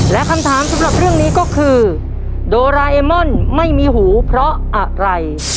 และคำถามสำหรับเรื่องนี้ก็คือโดราเอมอนไม่มีหูเพราะอะไร